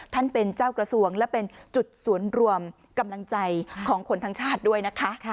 ท่านเป็นเจ้ากระทรวงและเป็นจุดศูนย์รวมกำลังใจของคนทั้งชาติด้วยนะคะ